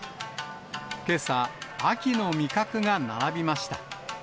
けさ、秋の味覚が並びました。